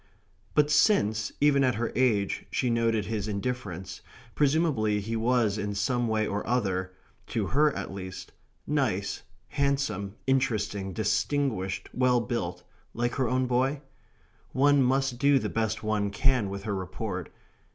But since, even at her age, she noted his indifference, presumably he was in some way or other to her at least nice, handsome, interesting, distinguished, well built, like her own boy? One must do the best one can with her report.